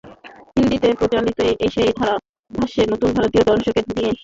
হিন্দিতে প্রচারিত সেই ধারাভাষ্যে শুধু ভারতীয় দর্শকদের নিয়ে কথা বলার স্বাধীনতা থাকে।